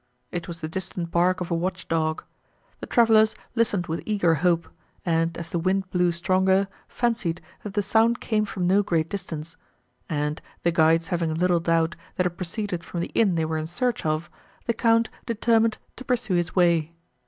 —It was the distant bark of a watch dog. The travellers listened with eager hope, and, as the wind blew stronger, fancied, that the sound came from no great distance; and, the guides having little doubt, that it proceeded from the inn they were in search of, the Count determined to pursue his way.